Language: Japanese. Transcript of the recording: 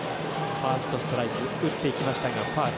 ファーストストライク打っていきましたがファウル。